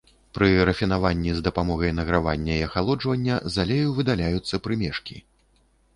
Пры рафінаванні з дапамогай награвання і ахалоджвання з алею выдаляюцца прымешкі.